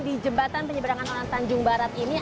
di jembatan penyeberangan orang tanjung barat ini